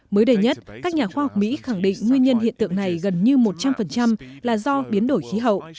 mới đây nhất các nhà khoa học mỹ khẳng định nguyên nhân hiện tượng này gần như một trăm linh là do biến đổi khí hậu